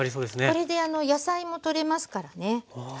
これで野菜もとれますからね。